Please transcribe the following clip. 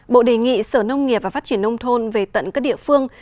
bộ đề nghị sở nông nghiệp và phát triển nông thôn về tận các địa phương